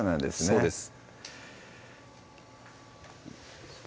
そうです